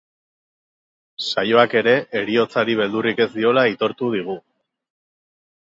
Saioak ere heriotzari beldurrik ez diola aitortu digu.